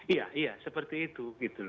iya iya seperti itu